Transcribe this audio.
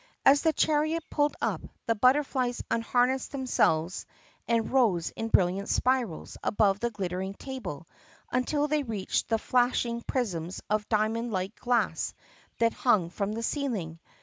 As the chariot pulled up, the butterflies unharnessed themselves and rose in brilliant spirals above the glittering table until they reached the flash ing prisms of diamond like glass that hung from the ceiling.